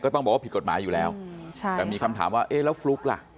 ต้องบอกว่าผิดกฎหมายอยู่แล้วใช่แต่มีคำถามว่าเอ๊ะแล้วฟลุ๊กล่ะ